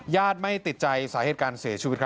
ญาติไม่ติดใจสาเหตุการณ์เสียชีวิต